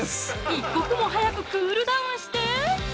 一刻も早くクールダウンして！